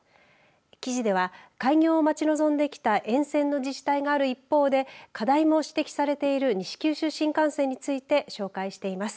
記事では開業を待ち望んできた沿線の自治体がある一方で課題も指摘されている西九州新幹線について紹介しています。